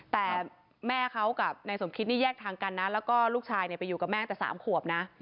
แต่แม่เขากับนายสมคิดแยกทางกันแล้วก็ลูกชายไปอยู่กับแม่แต่สามขวบ